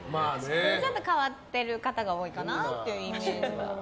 ちょっと変わってる方が多いかなというイメージは。